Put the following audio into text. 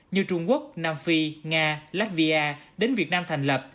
như trung quốc nam phi nga latvia đến việt nam thành lập